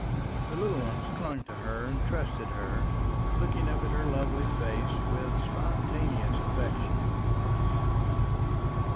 The little ones clung to her and trusted her, looking up at her lovely face with spontaneous affection.